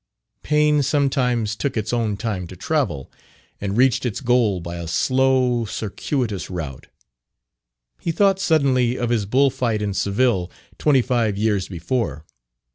Pain sometimes took its own time to travel, and reached its goal by a slow, circuitous route. He thought suddenly of his bullfight in Seville, twenty five years before.